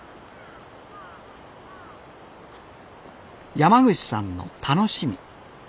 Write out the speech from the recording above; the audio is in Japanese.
山口さんの楽しみ。